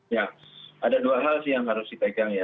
ya ada dua hal sih yang harus dipegang ya